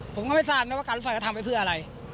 ผมก็ไม่ทราบนะว่าการรถไฟก็ทำไว้เพื่ออะไร